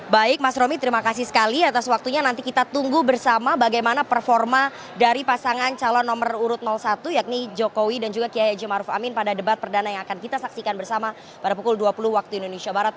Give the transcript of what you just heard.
baik mas romi terima kasih sekali atas waktunya nanti kita tunggu bersama bagaimana performa dari pasangan calon nomor urut satu yakni jokowi dan juga kiai haji maruf amin pada debat perdana yang akan kita saksikan bersama pada pukul dua puluh waktu indonesia barat